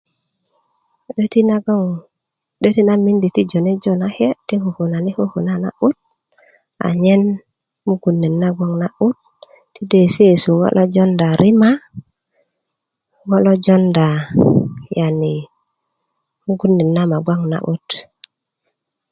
'däti na goŋ 'däti na miidi ti jonejo na kiye ti kukunani kukuna na'but a nyen mogun ne'd na gboŋ na 'böt ti dó yesiyesu ŋo lo jondä rima ŋo ló jondä yani mogun nét na gboŋ na 'bot